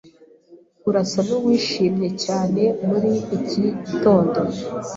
Urasa nuwishimye cyane muri iki gitondo.